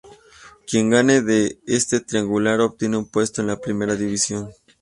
Quien gane de este triangular, obtiene un puesto en la primera división.